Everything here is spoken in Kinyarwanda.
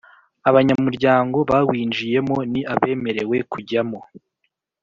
Abanyamuryango bawinjiyemo ni abemerewe kujyamo